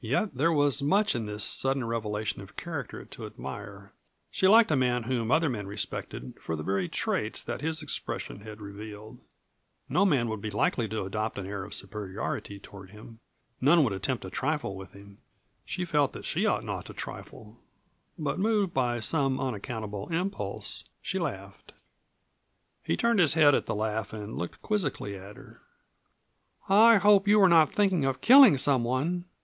Yet there was much in this sudden revelation of character to admire. She liked a man whom other men respected for the very traits that his expression had revealed. No man would be likely to adopt an air of superiority toward him; none would attempt to trifle with him. She felt that she ought not to trifle, but moved by some unaccountable impulse, she laughed. He turned his head at the laugh and looked quizzically at her. "I hope you were not thinking of killing some one?"